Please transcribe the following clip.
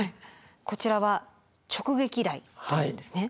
こちらは「直撃雷」というんですね。